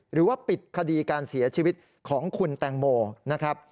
หรือว่าปิดคดีการเสียชีวิตของคุณแตงโมนะครับ